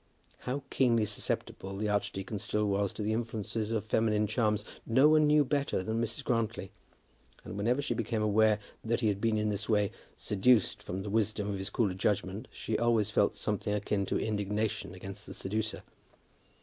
How keenly susceptible the archdeacon still was to the influences of feminine charms, no one knew better than Mrs. Grantly, and whenever she became aware that he had been in this way seduced from the wisdom of his cooler judgment she always felt something akin to indignation against the seducer.